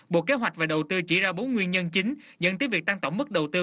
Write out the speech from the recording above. bộ kế hoạch và đầu tư chỉ ra bốn nguyên nhân chính dẫn tới việc tăng tổng mức đầu tư